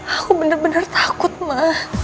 aku bener bener takut ma